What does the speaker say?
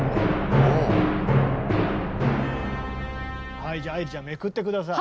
はいじゃあ愛理ちゃんめくって下さい。